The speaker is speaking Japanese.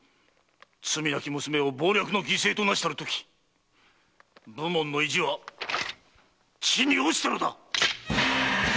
罪なき娘を謀略の犠牲となしたるとき武門の意地は地に堕ちたのだ！